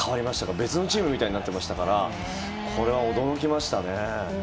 別のチームみたいになっていましたからこれは驚きましたね。